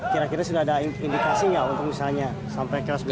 kira kira sudah ada indikasinya untuk misalnya sampai ke